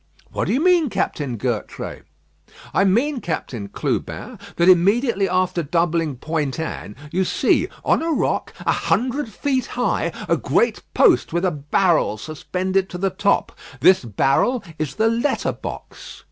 '" "What do you mean, Captain Gertrais?" "I mean, Captain Clubin, that immediately after doubling Point Anne you see, on a rock, a hundred feet high, a great post with a barrel suspended to the top. This barrel is the letter box.